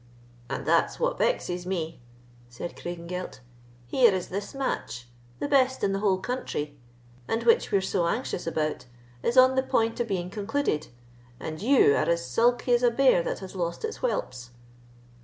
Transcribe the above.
"And that's what vexes me," said Craigengelt. "Here is this match, the best in the whole country, and which you were so anxious about, is on the point of being concluded, and you are as sulky as a bear that has lost its whelps."